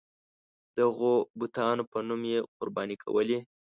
د هغو بتانو په نوم یې قرباني کولې.